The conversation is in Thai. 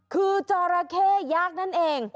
คือจอราเข้ยักษ์นั่นเอง